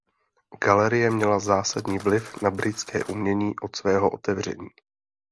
Galerie měla zásadní vliv na britské umění od svého otevření.